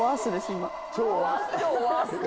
今。